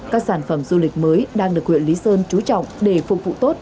các sản phẩm du lịch mới đang được huyện lý sơn trú trọng để phục vụ tốt